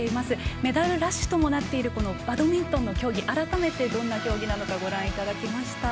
メダルラッシュともなっているバドミントンの競技改めてどんな競技なのかご覧いただきました。